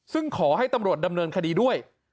ซึ่งขอให้ตำรวจดำเนินคดีด้วย